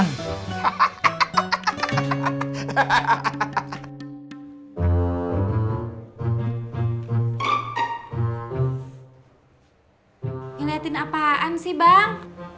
ngeliatin apaan sih bang